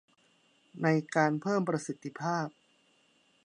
ในการเพิ่มประสิทธิภาพ